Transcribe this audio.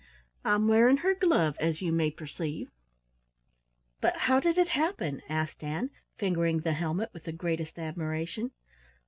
I'm wearing her glove, as you may perceive." "But how did it happen?" asked Ann, fingering the helmet with the greatest admiration.